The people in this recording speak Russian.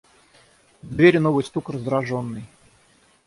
В двери новый стук раздраженный.